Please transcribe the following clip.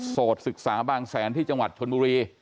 สดศึกษาบางแสนที่จังหวัดชนบุรี